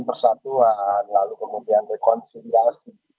persatuan lalu kemudian rekonsiliasi